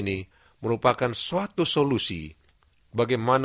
ini merupakan suatu solusi bagaimana